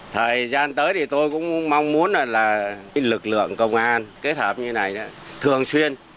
thời gian tới thì tôi cũng mong muốn là lực lượng công an kết hợp như này thường xuyên